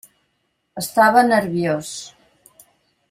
Estava nerviós.